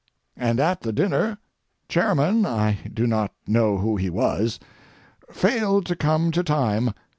And at the dinner, Chairman (I do not know who he was)—failed to come to time.